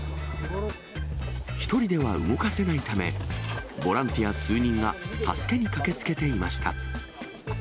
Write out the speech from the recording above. １人では動かせないため、ボランティア数人が助けに駆けつけていました。